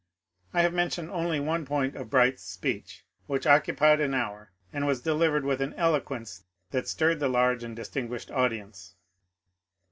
I have mentioned only one point of Bright's THE MASON INCIDENT 417 speech, which occupied an hour and was delivered with an elo quenoe that stirred the large and distinguished audience.